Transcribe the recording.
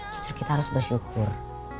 justru kita harus bersyukur